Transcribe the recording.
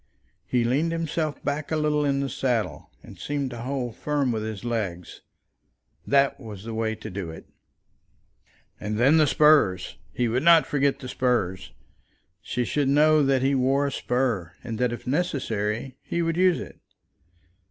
He leaned himself back a little in the saddle, and seemed to hold firm with his legs. That was the way to do it. And then the spurs! He would not forget the spurs. She should know that he wore a spur, and that, if necessary, he would use it.